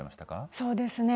そうですね。